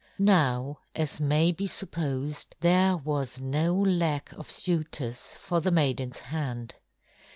Now, as may be supposed, there was no lack of suitors for the maiden's hand.